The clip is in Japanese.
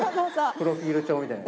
プロフィール帳みたいな。